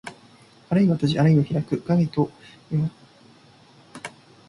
あるいは閉じ、あるいは開く。陰と陽が消長するさま。「闔」は閉じる。「闢」は開く意。